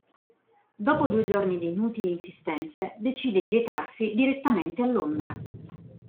Dopo due giorni di inutili insistenze decide di recarsi direttamente a Londra.